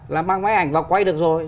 là mang máy ảnh vào quay được rồi